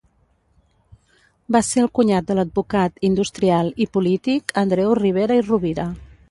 Va ser el cunyat de l'advocat, industrial i polític Andreu Ribera i Rovira.